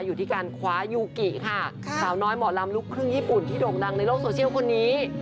อยู่ที่การคว้ายูกิค่ะสาวน้อยหมอลำลูกครึ่งญี่ปุ่นที่โด่งดังในโลกโซเชียลคนนี้